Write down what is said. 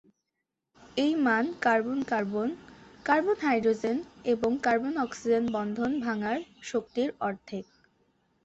এই মান carbon carbon, carbon hydrogen এবং কার্বন-অক্সিজেন বন্ধন ভাঙার শক্তির অর্ধেক।